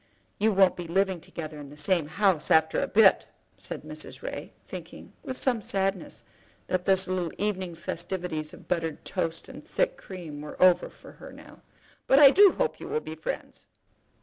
"You won't be living together in the same house after a bit," said Mrs. Ray, thinking, with some sadness, that those little evening festivities of buttered toast and thick cream were over for her now, "but I do hope you will be friends."